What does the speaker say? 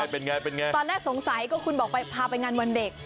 เป็นไงตอนนั้นสงสัยก็คุณบอกพาไปงานวันเด็ก